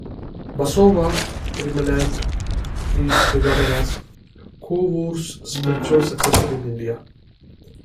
Basava Premanand is regarded as Kovoor's spiritual successor in India.